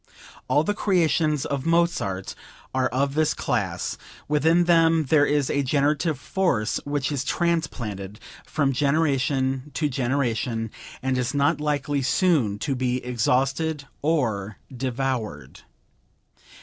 All the creations of Mozart are of this class; within them there is a generative force which is transplanted from generation to generation, and is not likely soon to be exhausted or devoured."